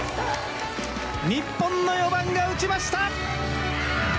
日本の４番が打ちました！